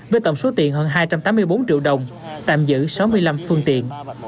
với tổng số tiền hơn hai trăm tám mươi bốn triệu đồng tạm giữ sáu mươi năm phương tiện